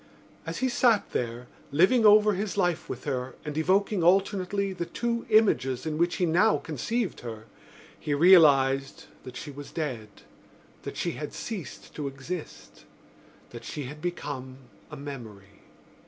As he sat there, living over his life with her and evoking alternately the two images in which he now conceived her, he realised that she was dead, that she had ceased to exist, that she had become a memory.